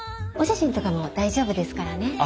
お写真とかも大丈夫ですからね。